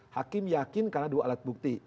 hakim yakin karena dua alat bukti